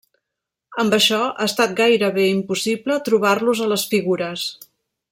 Amb això, ha estat gairebé impossible trobar-los a les figures.